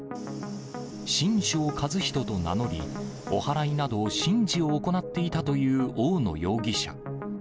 神生一人と名乗り、おはらいなど、神事を行っていたという大野容疑者。